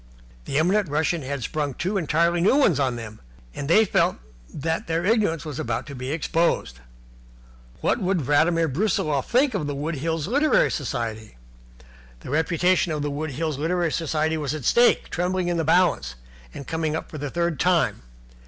The eminent Russian had sprung two entirely new ones on them, and they felt that their ignorance was about to be exposed. What would Vladimir Brusiloff think of the Wood Hills Literary Society? The reputation of the Wood Hills Literary Society was at stake, trembling in the balance, and coming up for the third time.